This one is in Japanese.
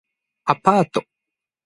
アパート